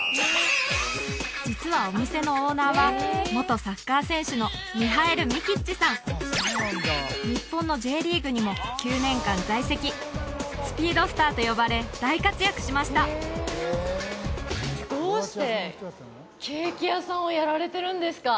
実はお店のオーナーは日本のＪリーグにも９年間在籍スピードスターと呼ばれ大活躍しましたどうしてケーキ屋さんをやられてるんですか？